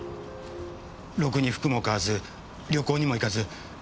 ろくに服も買わず旅行にも行かず。